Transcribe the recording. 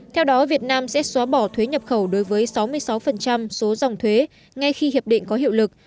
theo đó việt nam sẽ xóa bỏ thuế nhập khẩu đối với sáu mươi sáu số dòng thuế ngay khi hiệp định có hiệu lực